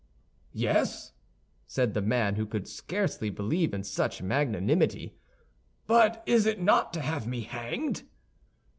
"Yes," said the man, who could scarcely believe in such magnanimity, "but is it not to have me hanged?"